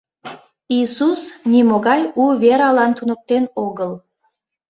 Иисус нимогай у вералан туныктен огыл.